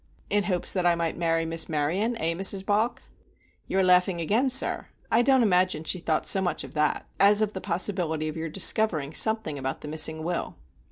"In hopes that I might marry Miss Maryon, eh, Mrs. Balk?" "You are laughing again, sir. I don't imagine she thought so much of that, as of the possibility of your discovering something about the missing will."